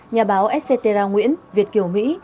nhà báo etc nguyễn việt kiều mỹ